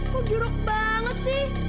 kok jeruk banget sih